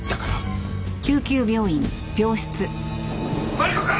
マリコ君！